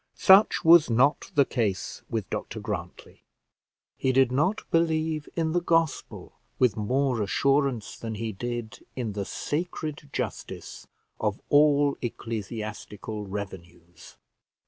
Such was not the case with Dr Grantly. He did not believe in the Gospel with more assurance than he did in the sacred justice of all ecclesiastical revenues.